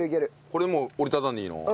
これもう折り畳んでいいの？